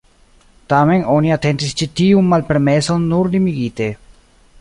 Tamen oni atentis ĉi tiun malpermeson nur limigite.